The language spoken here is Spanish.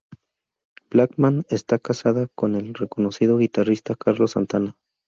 Blackman está casada con el reconocido guitarrista Carlos Santana.